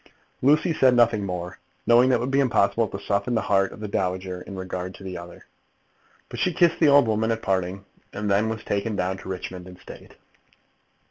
Lucy said nothing more, knowing that it would be impossible to soften the heart of this dowager in regard to the other. But she kissed the old woman at parting, and then was taken down to Richmond in state.